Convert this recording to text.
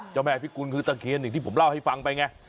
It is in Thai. เจ้าแม่พิกุลคือตะเคียนอย่างที่ผมเล่าให้ฟังไปไง